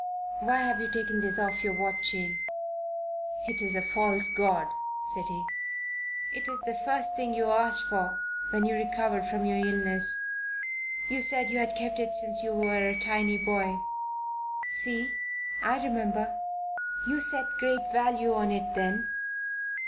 "Why have you taken this off your watch chain?" "It's a little false god," said he. "It's the first thing yon asked for when you recovered from your illness. You said you had kept it since you were a tiny boy. See? I remember. You set great value on it then?"